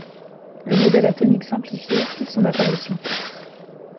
Le modèle atomique simplifié fit son apparition.